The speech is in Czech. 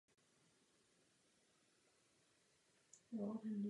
Dále mezi ně patří slavnostní oděv českého krále coby říšského kurfiřta.